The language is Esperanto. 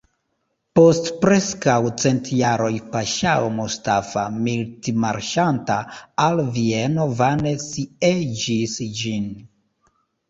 Post preskaŭ cent jaroj paŝao Mustafa, militmarŝanta al Vieno, vane sieĝis ĝin.